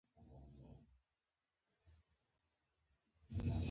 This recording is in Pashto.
دا اړین دی